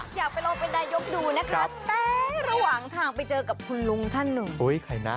อยากไปลองเป็นนายกดูนะคะแต่ระหว่างทางไปเจอกับคุณลุงท่านหนึ่ง